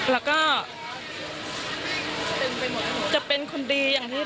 แล้วก็จะเป็นคนดีอย่างที่